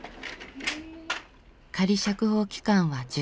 仮釈放期間は１０か月。